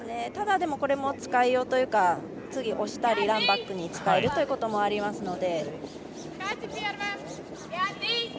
ただ、これも使いようというか次、押したりランバックに使えるということもあります。